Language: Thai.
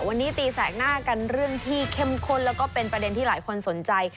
วันนี้ตีแสกหน้ากันเรื่องที่เข้มข้นแล้วก็เป็นประเด็นที่หลายคนสนใจ